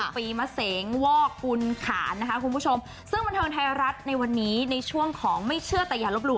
ปีมะเสงวอกกุลขานนะคะคุณผู้ชมซึ่งบันเทิงไทยรัฐในวันนี้ในช่วงของไม่เชื่อแต่อย่าลบหลู